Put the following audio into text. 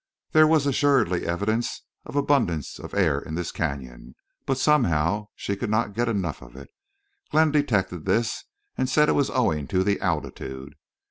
There was assuredly evidence of abundance of air in this canyon, but somehow she could not get enough of it. Glenn detected this and said it was owing to the altitude.